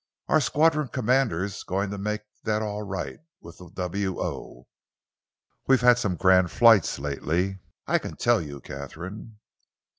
"Our Squadron Commander's going to make that all right with the W.O. We've had some grand flights lately, I can tell you, Katharine."